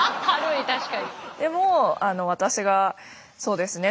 でも私がそうですね